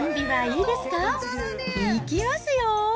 いきますよ。